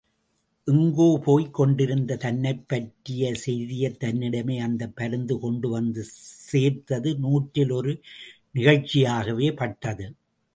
எங்கோபோய்க் கொண்டிருந்த தன்னைப்பற்றிய செய்தியைத் தன்னிடமே அந்தப் பருந்து கொண்டுவந்து சேர்த்தது நூற்றில் ஒரு நிகழ்ச்சியாகவே பட்டது.